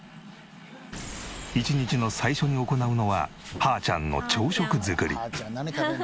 一日の最初に行うのはハーちゃん何食べるの？